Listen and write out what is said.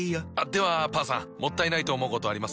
ではパンさんもったいないと思うことあります？